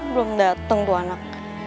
belum dateng tuh anak